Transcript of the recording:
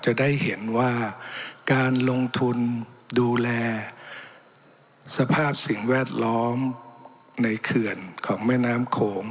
จะได้เห็นว่าการลงทุนดูแลสภาพสิ่งแวดล้อมในเขื่อนของแม่น้ำโขง